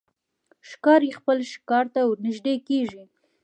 ښکاري خپل ښکار ته ورنژدې کېږي.